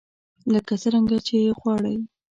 لکه څرنګه يې چې غواړئ.